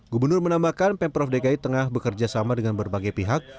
gubernur menambahkan pemprov dki tengah bekerja sama dengan berbagai pihak